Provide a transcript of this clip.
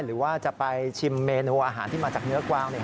หรือว่าจะไปชิมเมนูอาหารที่มาจากเนื้อกวาง